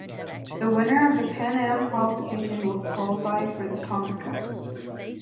The winner of the Pan Am qualification will qualified for the Thomas Cup.